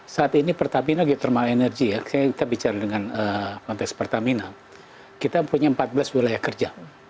saat ini pertamina geothermal energy kita bicara dengan konteks pertamina kita punya empat belas wilayah kerja